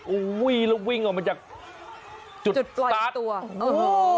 อุ้ยแล้ววิ่งออกมาจากจุดสตาร์ทจุดปล่อยอีกตัวโอ้โห